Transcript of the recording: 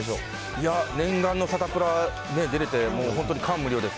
いや、念願のサタプラね、出れて、もう本当に感無量です。